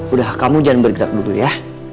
udah kamu jangan bergerak dulu ya